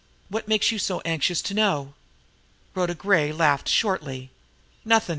"What makes you so anxious to know?" Rhoda Gray laughed shortly. "Nothin'!"